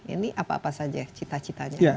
ini apa apa saja cita citanya